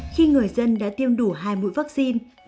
khi người dân đã tiêm đủ hai mũi vaccine